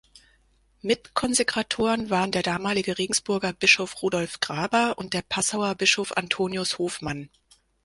Mitkonsekratoren waren der damalige Regensburger Bischof Rudolf Graber und der Passauer Bischof Antonius Hofmann.